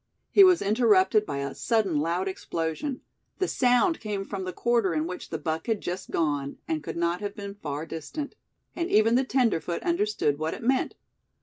He was interrupted by a sudden loud explosion. The sound came from the quarter in which the buck had just gone, and could not have been far distant. And even the tenderfoot understood what it meant.